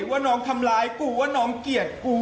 ว่าน้องทำร้ายกูว่าน้องเกลียดกู